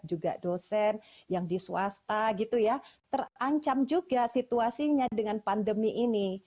juga dosen yang di swasta gitu ya terancam juga situasinya dengan pandemi ini